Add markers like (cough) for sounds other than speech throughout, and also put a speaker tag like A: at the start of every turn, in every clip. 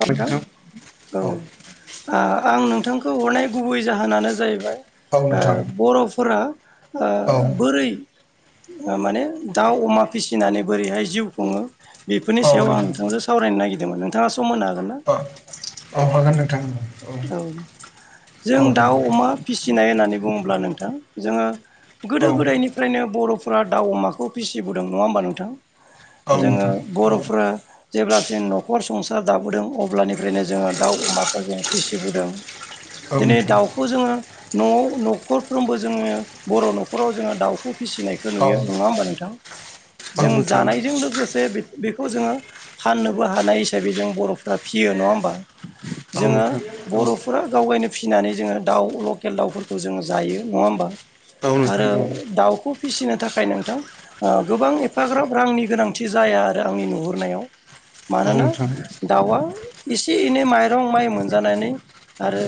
A: नोंथां औ आ आं नोंथां खौ हरनाय गुबै जाहोनानो जाहैबाय
B: औ
A: ओ
B: नोंथां
A: बर'फोरा ओ
B: औ
A: बोरै माने दाउ अमा फिसिनानै बोरैहाय जिउ खुङो बेफोरनि
B: औ
A: सायाव आं नोंथांजों सावरायनो नागिरदोंमोन। नोंथाङा सम होनो हागोन ना
B: अ औ हागोन नोंथां ओं।
A: औ जों दाउ
B: नोंथां
A: अमा फिसिनाय होननानै बुङोब्ला नोंथां जोङो गोदो
B: औ
A: गोदायनिफ्रायनो बर'फोरा दाउ अमाखौ फिसिबोदों नङा होमबा नोंथां।
B: औ
A: जोङो
B: नोंथां औ
A: बर'फ्रा जेब्ला जों न'खर संसार दाबोदों अब्लानिफ्रायनो जोङो दाउ अमाखौ जों फिसिबोदों।
B: औ
A: दिनै
B: नोंथां
A: दाउखौ जोङो न'आव न'खरफ्रोमबो जोङो बर' न'खराव जोङो दाउखौ फिसिनायखौ
B: औ नोंथां औ
A: नुयो नङा होमबा नोंथां। जों
B: नोंथां
A: जानायजों लोगोसे बेखौ जोङो फाननोबो हानाय हिसाबै जों बर'फ्रा फियो नङा होमबा?
B: औ
A: जोङो बर'फोरा गावगायनो फिसिनानै जोङो दाउ लकेल दाउफोरखौ जोङो जायो नङा होमबा?
B: औ नोंथां औ नोंथां
A: आरो
B: औ
A: दाउखौ फिसिनो था खाय नोंथां ओ गोबां एफाग्राब रांनि गोनांथि जाया आरो आंनि नुहुरनायाव।
B: औ नोंथां औ नोंथां औ नोंथां औ नोंथां औ
A: मानोना
B: नोंथां
A: दाउआ एसे एनै माइरं माइ मोनजानानै आरो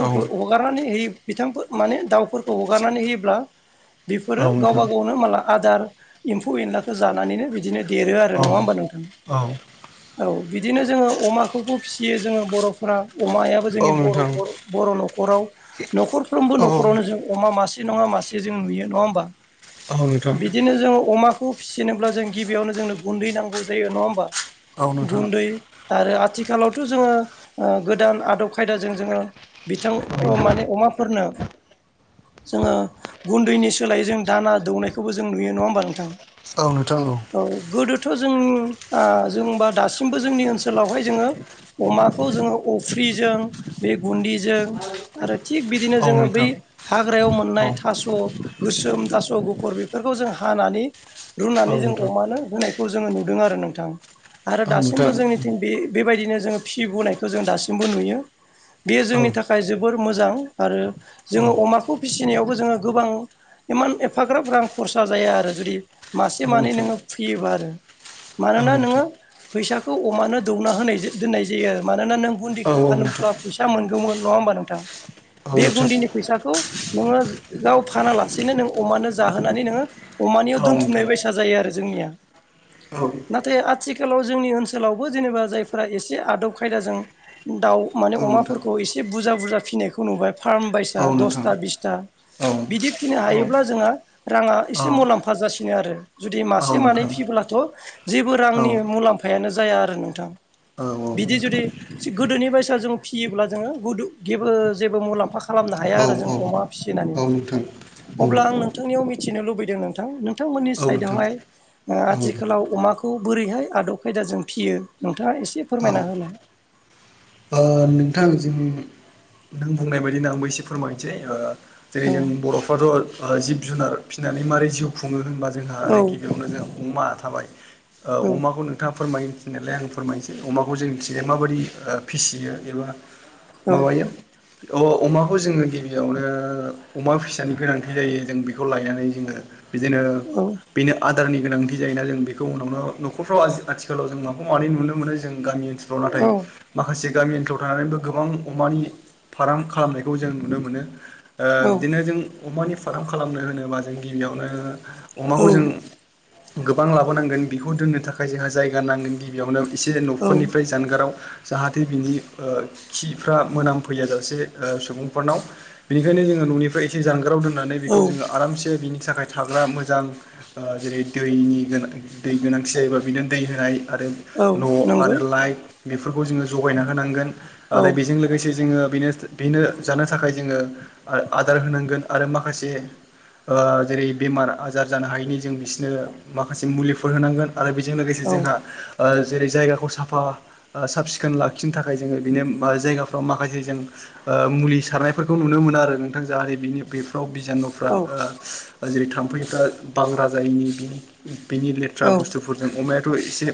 B: औ नोंथां औ नोंथां औ नोंथां औ नोंथां औ नोंथां
A: हगारनानै होयो बिथांखौ माने दाउफोरखौ हगारनानै होयोब्ला बेफोरो गावबा गावनो माला आदार एम्फौ एनलाखौ जानानैनो बिदिनो देरो आरो नङा होमबा नोंथां? औ बिदिनो जोङो अमाखौबो फिसियो जोङो बर'फोरा अमायाबो जोंनि बर' बर' न'खराव न'खरफ्रोमबो न'खरावनो जों अमा मा से नङा मासे जों नुयो नङा होमबा? बिदिनो जों अमा खौ फिसिनोब्ला जों गिबियावनो जोंनो गुन्दै नांगौ जायो नङा होमबा? गुन्दै आरो आथिखालावथ' जोङो ओ गोदान आदब खायदाजों जोङो बिथां माने अमाफोरनो जोङो गुन्दैनि सोलायै जों दाना दौनायखौबो जों नुयो नङा होमबा नोंथां?
B: औ नोंथां औ।
A: थ' जों ओ जोंबा दासिमबो जोंनि ओनसोलावहाय जोङो अमाखौ जोङो अफ्रिजों बे गुदिजों आरो थिग बिदिनो जोङो बै हाग्रायाव मोननाय थास' गोसोम थास' गुफुर बेफोरखौ जों हानानै रुनानै जों अमानो होनाय खौ जोङो नुदों आरो नोंथां आरो दासिमबो जोंनिथिं बे बेबायदिनो जोङो फि बुनायखौ खौ जों दासिमबो नुयो बेयो जोंनि थाखाय जोबोर मोजां आरो जोङो अमाखौ फिसिनायावबो जोङो गोबां इमान एफाग्राबफां खरसा जाया आरो जुदि मासे मानै नोङो फैयोबा आरो मानोना नोङो
B: औ
A: फैसाखौ बे खौ अमानो दौना होनाय दोननाय जायो मानोना नों गुन्ददिखौ
B: औ नोंथां
A: फानोब्ला फैसा मोनगौमोन नङा होमबा नोंथां
B: औ
A: बे
B: नोंथां
A: गुन्दिनि फैसाखौ नोंङो गाव फानालासेनो नों अमानो जाहोनानै नोङो अमानियाव
B: औ
A: दोनथुमनाय
B: नोंथां
A: बायसा जायो आरो
B: औ
A: नाथाय आथिखालाव जोंनि ओनसोलावबो जेनेबा जायफोरा एसे आदब खायदाजों दाउ माने
B: औ नोंथां
A: अमाफोरखौ एसे बुरजा बुरजा फिसिनायखौ नुबाय फार्म बायस
B: औ
A: बायसा
B: नोंथां
A: दसथा बिसथा
B: औ
A: बिदि फिनो
B: औ
A: हायोब्ला जोंहा राङा एसे मुलाम्फा जासिनो आरो जुदि
B: औ
A: मासे मानै
B: नोंथां
A: फियोब्लाथ' जेबो
B: औ
A: रांनि मुलाम्फायानो जाया आरो नोंथां
B: औ
A: बिदि
B: औ। नोंथां
A: जुदि गोदोनि बायसआव जों फियोब्ला जोंङोदेबो जेबो मुलाम्फा खालामनो हाया
B: औ
A: आरो जों - अमा फिसिनानै
B: नोंथां
A: अब्ला आं नोंथांनियाव मिथिनो लुबैदों नोंथां नोंथांमोननि साइदआवहाय
B: औ
A: आथिखालाव अमाखौ बोरैहाय आदब खायदाजों फियो नोंथाङा एसे फोरमायना होलाय।
B: नोंथांजों नों बुंनाय बायदिनो आंबो एसे फोरमायनोसै
A: औ
B: जेरै जों बर'फ्राथ' जिब जुनार फिसिनानै मारै जिउ खुंङो होनब जोंहा
A: औ
B: गिबियावनो जोंहा अमा थाबाय
A: औ
B: अमाखौ नोंथां फोरमायो मिथिनायालाय आं फोरमायनोसै अमाखौ जों मिथिनाय माबायदि फिसियो एबा
A: औ
B: माबायो अ अमाखौ जोंङो गिबियावनो अमा फिसानि गोनांथि जायो जों बेखौ लायनानै जोंङो बिदिनो
A: औ
B: बेनो आदारनि गोनांथि जायोना जों बेखौ उनावनो न'खरफ्राव आथिखालाव जों माखौ मानि नुनो मोनो जों गामि ओनसोलाव नाथाय
A: औ
B: माखासे गामि ओनसोलाव थानानैबो गोबां अमानि फाराम खालामनायखौ जों नुनो मोनो
A: औ
B: बिदिनो जों अमानि फार्म खालामनो होनोब्ला जों गिबियावनो अमाखौ जों गोबां लाबोनांगोन बेखौ दोननो थाखाय जोंहा जायगा नांगोन गिबियावनो एसे
A: औ
B: न'खरनिफ्राय जानगाराव जाहाथे बिनि खिफ्रा मोनामफैया जाासे सुबुंफोरनाव बिनिखायनो जोङो न'निफ्राय एसे जानगाराव दोन होननानै बेखौ
A: औ
B: जोंङो आरामसे बिनि थाखाय थाग्रा मोजां जेरै दैनि गोनां दै गोनांथि जायोबा बिनो दै होनाय आरो
A: औ
B: न'
A: नंगौ
B: आरो लाइट बेफोरखौ जोंङो जगायना होनांगोन
A: औ
B: आरो बेजों लोगोसे जोंङो बेनो जानो थाखाय जोंङो आदार होनांगोन आरो माखासे जेरै बेमार आजार जानो हायिनि जों बिसोरनो माखासे मुलिफोर होनांगोन। आरो बेजों लोगोसे
A: औ
B: जोंहा जेरै जायगाखौ साफा सााब सिखोन लाखिनो थाखाय जोंङो बिनि जायगाफ्राव माखासे जों मुलि सारनायफोरखौ नुनो मोनो आरो नोंथां जाहाथे बिनि बेफ्राव बिजानुफ्रा
A: औ
B: जेरै थाम्फैफ्रा बांरा जायैनि बिनि बिनि लेथ्रा बुस्थुफोरजों अमायाथ' एसे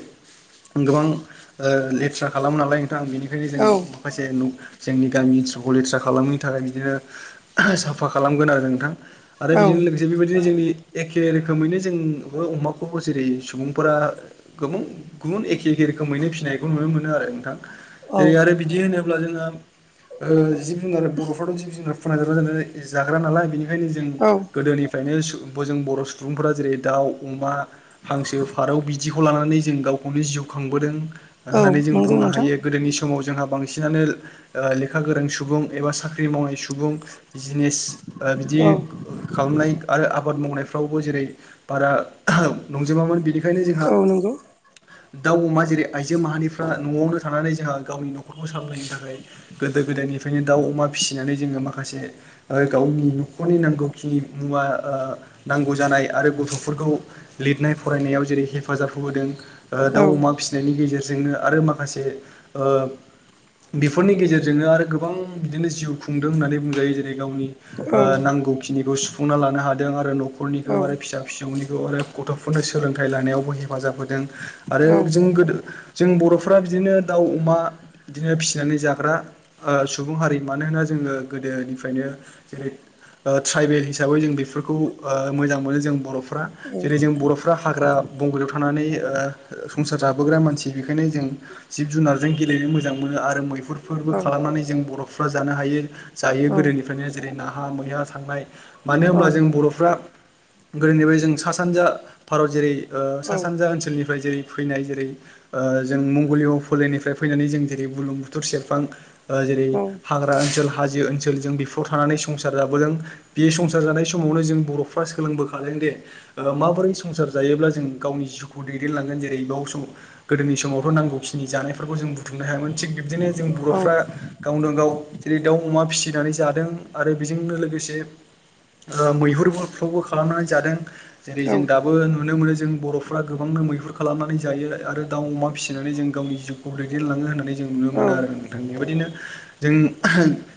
B: गोबां लेथ्रा खालामो नालाय आं बेनिखायनो जों माखासे जोंनि गामि ओनसोलखौ लेथ्रा खालामैनि थाखाय बिदिनो साफा खालामगोन आरो नोंथां आरो
A: औ
B: बेजों लोगोसे बेबायदिनो जोंनि एखे रोखोमैनो जोंबो अमाखौ जेरै सुबुंफोरा गोबां गुबुन एखे रोखैनो फिसिनायखौ नुनो मोनो आरो नोंथां जेरै आरो बिदि होनोब जिब जुनार बर'' जिब जुनार बर'फोरा जाग्रा नालाय बेओंखायनो जों
A: औ
B: गोदोनिफ्रायनो जों बर' सुबुंफोरा जेरै दाउ अमा हांसो फारौ बिदिखौ लानानै जों गावखौनो जिउ खांबोदों
A: औ
B: होननानै जों
A: नंगौ
B: बुंनो
A: नोंथां
B: हायो बै समाव जोंहा बांसिनानो ओ लेखा गोरों सुबुं एबा साख्रि मावनाय सुबुं बिजनेस ओ बिदि
A: औ
B: खालामनाय आरो आबाद मावनायफ्रावबो जेरै बारा नंजोबामोन बिनि
A: औ नंगौ
B: दाउ अमा जेरै आइजो माहारिफ्रा न'आवनो थानानै जोंहा गावनि न'खरखौ सावलायनो थाखाय गोदो गोदायनिफ्रायनो दाउ अमा फिसिनानै जोंङो माखासे गावनि न'खरनि नांगौखिनि मुवाओ नांगौ जानाय आरो गथ'फोरखौ लिरनाय फरायनायाव जेरै हेफाजाब होबोदों ओ
A: औ
B: दाउ अमा फिसिनायनि गेजेरजोंनो आरो माखासे ओ बेफोरनि गेजेरजोंनो आरो गोबां बिदिनो जिउ खुंदों होननानै बुंजायो गावनि
A: औ
B: ओ नांगौखिनिखौ सुफुंना लानो हादों आरो न'खरनिखौ
A: औ
B: आरो फिसा फिसौनि आरो गथ'फोरनो सोलोंथाइ लानायावबो हेफाजाब होदों आरो
A: औ
B: जों गोदो जों बर'फ्रा बिदिनो दाउ अमा बिदिनो फिसिनानै जाग्राओ सुबुं हारि मानोन जोङो गोदोनिफ्रायनो ओ ट्राइबेल हिसाबै जों बेफोरखौ मोजां मोनो जों बर जेरै जों बर'फ्रा हाग्रा बंगलियाव थानानैओ संसार जाबोग्रा मानसि बेखायनो जों जिब जुनारजों गेलेनो मोजां मोनो आरो मैहुरफोरबो खालामनानै जों बर' नफ्रा जानो हायो जायो गोदोनिफ्रायनो जेरै नाहा मैहा थांनाय मानो होनब्ला जों बर'फ्रा गोदोनिफ्राय जों सा सानजा भारत जेरै ओ सा सानजा ओनसोलनिफ्राय जेरै फैनाय जेरै ओ जों मंगलिय फोलेरनिफ्राय फैनानै जों जेरै बुलुं बुथुर सेरफां ओ जेरै
A: औ
B: हाग्रा ओनसोल हाजो ओनसोल जों बेफ्राव थानानै संसार जाबोदों बे संसार जानाय समावनो जों बर'फ्रा सोलोंबोखा माबोरै संसार जायोब्ला जों गावनि जिउखौ दैदेनलांगोन जेरै बाव सम गोदोनि समाव नांगौखिनि जानायफोरखौ जों बु बुथुमनो हायामोन थिग बिब्दिनो जों
A: औ
B: बर'फ्रा गावनो गाव जेरै दाउ अमा फिसिनानै जादों आरो बेजोंनो लोगोसे ओ मैहुरफ्रावबो खालामनानै जादों जेरै
A: औ
B: जों दाबो नुनो मोनो जों बर'फ्रा गोबांनो मैहुर खालामनानै जायो आरो दाउ अमा फिसिनानै जों गावनि जिउखौ दैदेनलाङो होननानै जों नुनो मोनो आरो नोंथांनि बेबायदिनो जों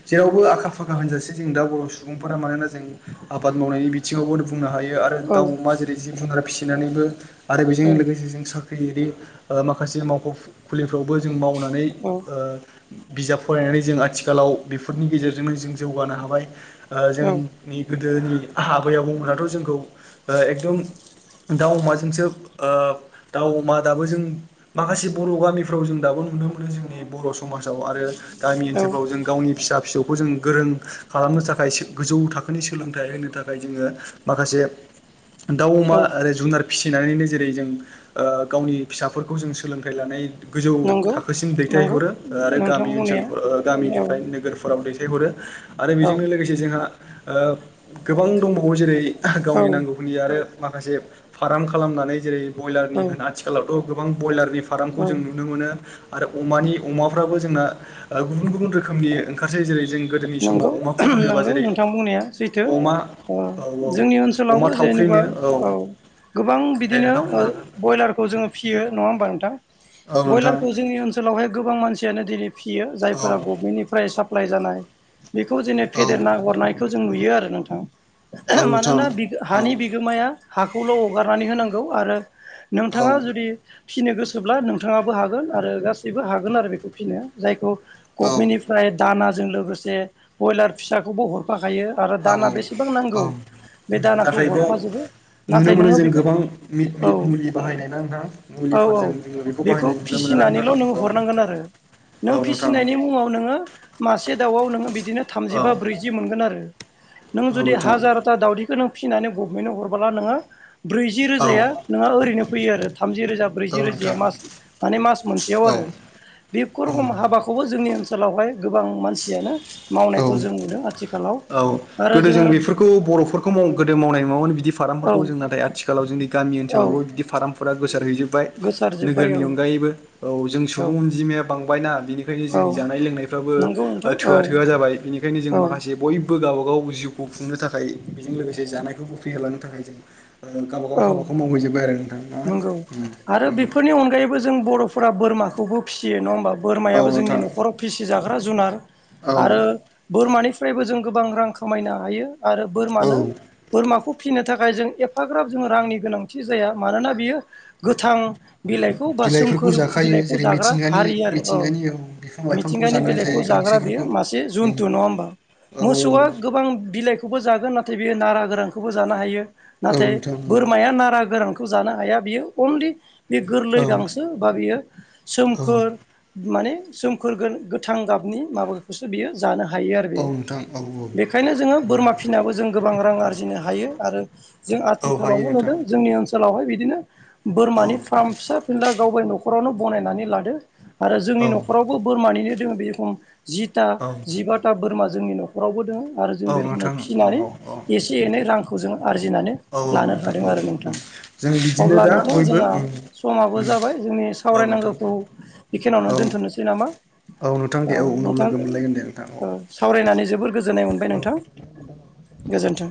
B: जेरावबो आखा फाखा होनजाासै जों दा बर' सुबुंफोरा मानोना जों आबाद मावनायनि बिथिङावबो बुंनो हायो आरो दाउ अमा जेरै जिब जुनार फिसिनानैबो आरो बेजों लोगोसे जों साख्रियि ओमाखासे मावख' खुलि फोरावबो जों मावनानै
A: औ
B: बिजाब फरायनानै जों आथिखालाव बेफोरनि गेजेरजोंनो जों जौगानो हाबाय जोंनि गोदोनि आबै आबौ जोंखौ एकदम दाउ अमाजोंसो ओ दाउ अमा दाबो जों माखासे बर' गामिफ्राव जों दाबो नुनो मोनो जोंनि बर' समाजाव आरो गामि
A: औ
B: ओनसोलफ्राव जों गावनि फिसा फिसौखौ जों गोरों खालामनो थाखाय गोजौ थाखोनि सोलोंथाइ होनो थाखाय जोङो माखासे दाउ अमा
A: औ
B: आरो जुनार फिसिनानैनो जेरै जोंओ गावनि फिसाफोरखौ जों सोलों लानाय गोजौ
A: नंगौ
B: थाखोसिम
A: नंगौ
B: दैथायहरो आरो
A: नोंथां बुंनाया
B: गामिओनसोलफोराव
A: औ
B: गामिनिफ्राय नोगोरफोराव दैथायहरो आरो
A: औ
B: बेजोंनो लोगोसे जोंहा ओ गोबां दंबावो जेरै
A: औ
B: गावनि नांगौखनि आरो माखासे फार्म खालामनानै जेरै ब्रयलारनि होन आथिखालावथ' गोबां ब्रयलारनि फारामखौ जों नुनो मोनो आरो अमानि अमाफ्राबो जोंना गुबुन गुबुन रोखोमनि ओंखारसायो जेरै जों गोदोनि
A: नंगौ
B: समाव अमाखौ होनोबा
A: नंगौ
B: जेरै
A: नोंथां बुंनाया सैथो
B: अमा
A: ओ
B: औ औ
A: जोंनि
B: अमा
A: ओनसोलावबो जे
B: थावख्रिनो औ
A: गोबां
B: दे
A: बिदिनो ओ
B: नोंथां
A: ब्रयलारखौ जोङ फिनाय नङा होनबा नोंथां
B: बुंनो
A: ब्रयलारखौ जोंनि ओनोलावहाय गोबां मानसिय दिनै फियो जायफोरा
B: हागोन
A: गभमेन्टनिफ्राय साप्लााय जानाय बेखौ जेननो फेदेरना हरनायखौ जों नुयो आरो
B: औ
A: नोंथां
B: नोंथां औ नोंथां
A: मानोना
B: औ
A: हानि बिगोमाया हाखौल' हगारनानै होनांगौ आरो
B: औ
A: नोंथाङा जुदि फिनो गोसोब्ला नोंथाङाबो हागोन आरो गासैबो हागोन आरो बेखौ फिनो जायखौ
B: औ
A: गभमेन्टनिफ्राय दानाजों लोगोसे ब्रयलार फिसाखौबो हरफ खायो आरो
B: औ
A: दाना बेसेबां
B: औ
A: नांगौ बे दानाखौ
B: नाथाय बेयाव
A: हरफाजोबो
B: नुनो
A: नाथाय
B: मोनो
A: नोङो
B: जों
A: बेखौ
B: गोबां
A: औ
B: मुलि बाहायनाय ना नोंथां
A: औ
B: मुलिफोरजों जोङो बेखौ बाहायनाय नुनो मोनो ना
A: फिसिनानैल' नों
B: नोंथां
A: हरनांगोन आरो
B: औ
A: नों
B: नोंथां
A: फिसिनायनि मुङाव नोङो मासे दाउ नों बिदिनो थामजि
B: औ
A: बा ब्रैजि मोनगोन आरो नों
B: औ
A: जुदि
B: नोंथां
A: हाजारथा दावदै खौ नों फिसिनानै गभमेन्दनाव हरबोला नोङो ब्रैजि
B: औ
A: रोजाया नोंङहा ओरैनो फैयो आरो। थामजि रोजा,
B: औ
A: ब्रैजि रोजाया,
B: नोंथां
A: मास माने मास मोनसेयाव
B: औ
A: आरो। बे खुरख हाबाखौबो जोंनि ओनसोलावहाय गोबां मानसियानो
B: औ
A: मावनायखौ
B: औ
A: जों नुदों आथिखालाव।
B: औ
A: आरो
B: गोदो जों
A: जोङो
B: बेफोरखौ बर'फोरखौ माव गोदो मावनाय मावोमोन बिदि
A: औ
B: फारामफोरखौ जों नाथाय आथिखालाव जों गामि
A: औ
B: ओसावबो बिदि फाराम फोरा गोसार हैजोब्बाय
A: गोसारजोब्बाय
B: नोगोरनि
A: औ
B: अनगायैबो औ जों सुबुं अनजिमाया बांबायना बेनिखायनो
A: औ
B: जोंनि जानाय लोंनायफ्राबो
A: नंगौ नोंथां औ
B: थोआ -थोआ जाबाय बेनिखायनो जों
A: औ
B: माखासे बयबो गावबा -गाव जिउखौ खुंनो थाखाय बेजों लोगोसे जानायखौबो फ्रिहोलांनो थाखाय जों गावबा गाव
A: औ
B: हाबाखौ मावहैजोब्बाय आरो नोंथां ना
A: नंगौ आरो बेफोरनि अनगायैबो जों बर'फोरा बोरमा -खौबो फिसियो नङा होमबा
B: औ
A: बोरमायाबो जोंनि
B: नोंथां
A: न'खराव फिसिजाग्रा जुनार।
B: औ
A: आरो बोरमानिफ्रायबो जों गोबां रां खामायनो हायो। आरो बोरमानो
B: औ
A: बोरमाखौ फिसिनो थाखाय जों एफा -ग्राब जोङो रांनि गोनांथि जाया मानोना बियो गोथां बिलाइखौ बा
B: बिलाइफोरखौ
A: सोमखोर
B: जाखायो
A: बिलाइखौ
B: जेरै
A: जाग्रा
B: मिथिंगानि
A: हारि आरो औ
B: मिथिंगानि बिफां लाइफांखौ
A: मिथिंगानि
B: जानानै थायो
A: बिलाइखौ जा -ग्रा बेयो
B: गांसोफोरखौ
A: मासे
B: उम
A: जुनथु नङा होनबा?
B: औ
A: मोसौआ गोबां बिलाइखौबो जागोन नाथाय बेयो नारा गोरां खौबो जानो हायो
B: औ
A: नाथाय
B: नोंथां
A: बोरमाया नारा गोरानखौ जानो हाया बियो अनलि बे गोरलै
B: औ
A: गांसो बा बियो
B: औ
A: सोमखोर माने सोमखोर गोथां गाबनि माबाखौसो बियो जानो हायो आरो
B: औ
A: बे
B: नोंथां औ औ
A: बेनिखायनो जोङो बोरमा फिसिनाबो जों गोबां रां आरि -जिनो हायो आरो जों
B: औ हायो
A: आगोलावबो
B: नोंथां
A: नुदों जोंनि ओनसोलावहाय बिदिनो
B: औ
A: बोरमानि फार्म फिसा फिनला गावबाय न'खर न'खरावनो बनायनानै लादो आरो जोंनि
B: औ
A: न'खरावबो बोरमानैनो दोङ बेखम जिथा
B: औ
A: जिबाथा बोरमा जोंनि न'खरावबो दोङो आरो जों
B: औ
A: बे रोखोमनो
B: नोंथां औ
A: फिनानै
B: औ
A: एसे- एनै रांखौ जों आरजिनानै
B: औ
A: लानो
B: नोंथां
A: हादों आरो नोंथां
B: औ जों बिदिनो
A: अब्ला
B: दा
A: नोंथां
B: बयबो
A: जोंहा
B: उम
A: समाबो जाबाय जोंनि
B: औ
A: सावरायनाय
B: नोंथां
A: नांगौखौ बेखिनिावनो
B: औ
A: दोन्थ'नोसै नामा?
B: औ नोंथां
A: ओ
B: दे औ उनाव
A: नोंथां
B: लोगो मोनलायगोन दे नोंथां औ
A: सावरायनानै जोबोर गोजोननाय मोनबाय नोंथां।
B: (inaudible)
A: गोजोन्थों।